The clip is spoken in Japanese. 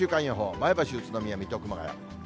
前橋、宇都宮、水戸、熊谷。